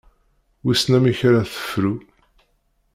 Wissen amek ara tefru.